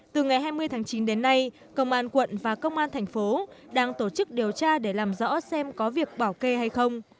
từ ngày hai mươi tháng chín đến nay công an quận và công an thành phố đang tổ chức điều tra để làm rõ xem có việc bảo kê hay không